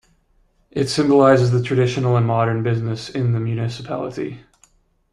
It symbolizes the traditional and modern businesses in the municipality.